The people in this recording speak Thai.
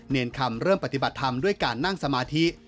เนรคำเริ่มปฏิบัติธรรมด้วยการนั่งสมาธิ